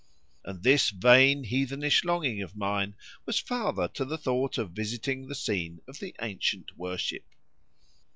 And this vain, heathenish longing of mine was father to the thought of visiting the scene of the ancient worship.